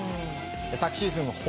昨シーズン